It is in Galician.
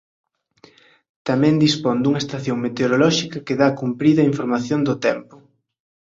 Tamén dispón dunha estación meteorolóxica que dá cumprida información do tempo.